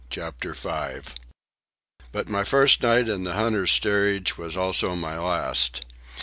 CHAPTER V But my first night in the hunters' steerage was also my last.